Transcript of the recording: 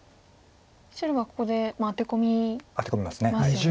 白はここでアテ込みますよね。